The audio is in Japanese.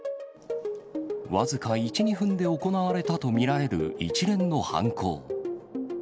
僅か１、２分で行われたと見られる一連の犯行。